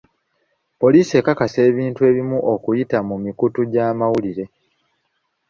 Poliisi ekakasa ebintu ebimu okuyita mu mikutu gy'amawulire.